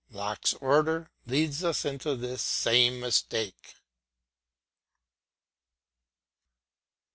Locke's order leads us into this same mistake.